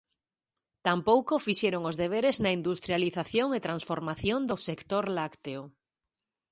Tampouco fixeron os deberes na industrialización e transformación do sector lácteo.